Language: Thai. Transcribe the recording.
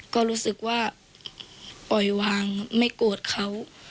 ก็รู้สึกว่าปล่อยวางไม่โกรธเขา